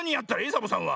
サボさんは。